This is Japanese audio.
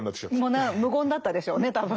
もう無言だったでしょうね多分。